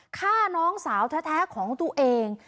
ฆ่าน้องสาวแท้ของตัวเอง